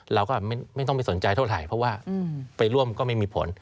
เราก็ไม่ต้องไปสนใจเท่าไหร่เพราะว่าไปร่วมก็ไม่มีผล